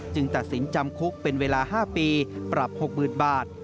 ตัดสินจำคุกเป็นเวลา๕ปีปรับ๖๐๐๐บาท